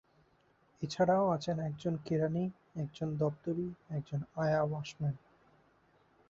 এছাড়াও আছেন একজন কেরানী, একজন দপ্তরি, একজন আয়া-ওয়াশম্যান।